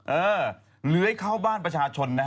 เลื้อยเข้าบ้านประชาชนนะฮะ